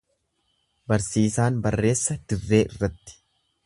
Barsiisaan barreessa dirree irratti.